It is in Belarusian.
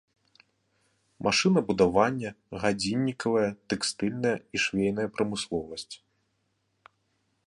Машынабудаванне, гадзіннікавая, тэкстыльная і швейная прамысловасць.